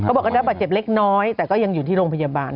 บอกก็ได้รับบาดเจ็บเล็กน้อยแต่ก็ยังอยู่ที่โรงพยาบาล